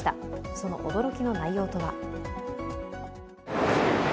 その驚きの内容とは。